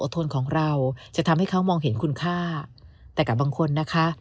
ทนของเราจะทำให้เขามองเห็นคุณค่าแต่กับบางคนนะคะ